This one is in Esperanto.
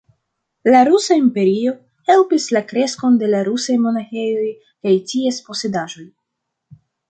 La rusa imperio helpis la kreskon de la rusaj monaĥejoj kaj ties posedaĵoj.